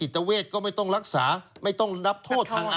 รู้สึกว่าอ้างดัง